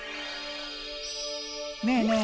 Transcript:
ねえねえ